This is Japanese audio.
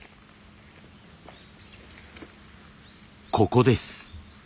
ここです。